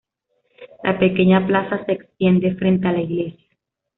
La pequeña plaza se extiende frente a la iglesia.